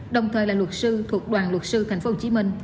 đồng thời là luật sư thuộc đoàn luật sư tp hcm